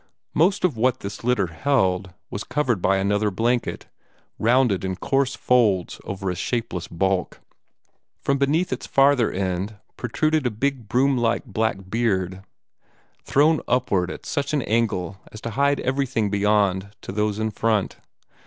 Most of what this litter held was covered by another blanket, rounded in coarse folds over a shapeless bulk. From beneath its farther end protruded a big broom like black beard, thrown upward at such an angle as to hide everything beyond to those in front.